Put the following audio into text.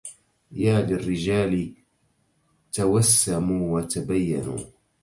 يا للرجال توسموا وتبينوا